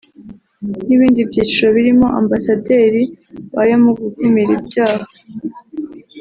n’ibindi byiciro birimo Abambasaderi bayo mu gukumira ibyaha